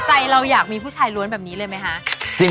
ใจเราอยากมีผู้ชายล้วนแบบนี้เลยไหมคะ